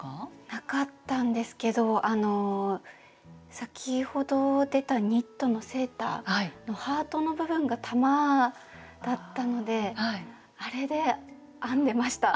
なかったんですけどあの先ほど出たニットのセーターのハートの部分が玉だったのであれで編んでました。